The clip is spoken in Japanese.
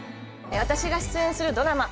私が出演するドラマ